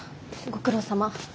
ご苦労さま。